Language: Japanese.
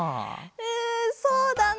うんそうだな。